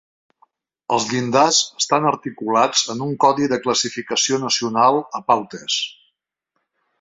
Els llindars estan articulats en un Codi de classificació nacional a Pautes.